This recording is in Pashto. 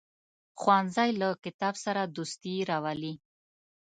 ښوونځی له کتاب سره دوستي راولي